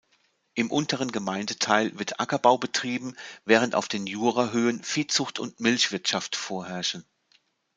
Im unteren Gemeindeteil wird Ackerbau betrieben, während auf den Jurahöhen Viehzucht und Milchwirtschaft vorherrschen.